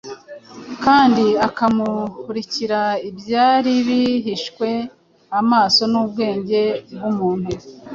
kandi akamurikira ibyari bihishwe amaso n’ubwenge bw’umuntu